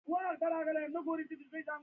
څارندويانو پر توندکارو ګولۍ وورولې.